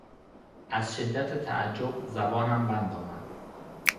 از شدت تعجب زبانم بند آمد.